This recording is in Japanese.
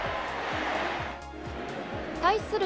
対する